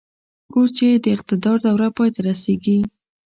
اوس چې يې د اقتدار دوره پای ته رسېږي.